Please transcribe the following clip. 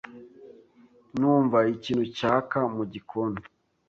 Nunva ikintu cyaka mugikoni.